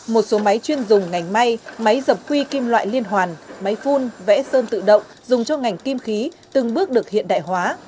một số máy chuyên dùng ngành may máy dập quy kim loại liên hoàn máy phun vẽ sơn tự động dùng cho ngành kim khí từng bước được hiện đại hóa